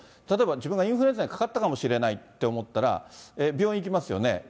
例えば、自分がインフルエンザにかかったかもしれないと思ったら、病院行きますよね。